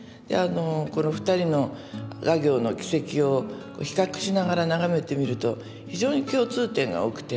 この二人の画業の軌跡を比較しながら眺めてみると非常に共通点が多くて。